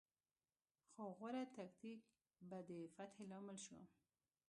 خو غوره تکتیک به د فتحې لامل شو.